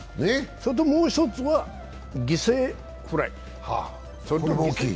それともう１つは犠牲フライ。